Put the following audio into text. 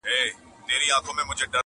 څوك به بولي له آمو تر اباسينه!.